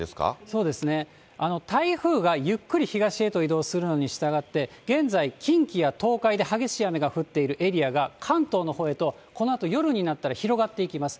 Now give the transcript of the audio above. そうですね、台風がゆっくり東へと移動するのにしたがって、現在、近畿や東海で激しい雨が降っているエリアが関東のほうへと、このあと夜になったら広がっていきます。